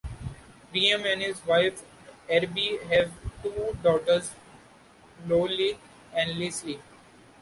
Reim and his wife, Erbe, have two daughters: Loreley and Lisely.